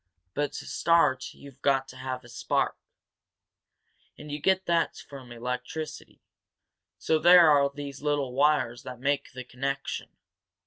But to start you've got to have a spark and you get that from electricity. So there are these little wires that make the connection.